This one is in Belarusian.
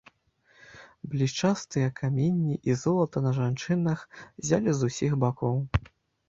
Блішчастыя каменні і золата на жанчынах ззялі з ўсіх бакоў.